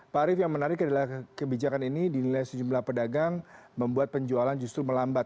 pak arief yang menarik adalah kebijakan ini dinilai sejumlah pedagang membuat penjualan justru melambat